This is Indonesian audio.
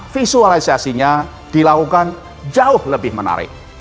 visualisasinya dilakukan jauh lebih menarik